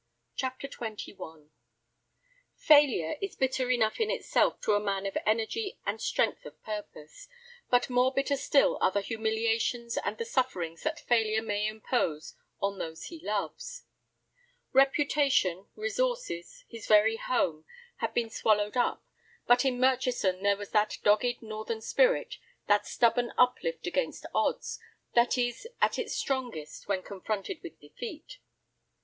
CHAPTER XXI Failure is bitter enough in itself to a man of energy and strength of purpose, but more bitter still are the humiliations and the sufferings that failure may impose on those he loves. Reputation, resources, his very home, had been swallowed up, but in Murchison there was that dogged northern spirit, that stubborn uplift against odds, that is at its strongest when confronted with defeat.